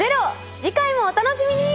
次回もお楽しみに！